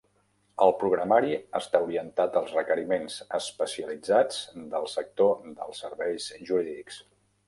El programari està orientat als requeriments especialitzats del sector dels serveis jurídics.